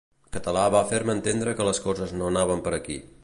Català va fer-me entendre que les coses no anaven per aquí.